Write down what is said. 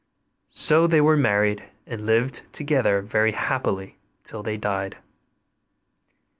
So they were married, and lived together very happily till they died.